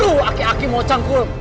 aduh aki aki mau cangkul